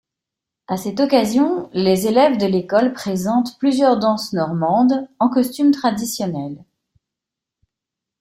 À cette occasion, les élèves de l'école présentent plusieurs danses normandes, en costumes traditionnels.